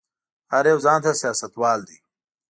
هر يو ځان ته سياستوال دی.